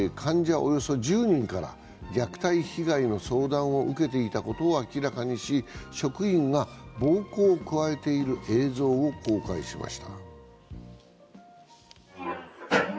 およそ１０人から虐待被害の相談を受けていた事を明らかにし職員が暴行を加えている映像を公開しました。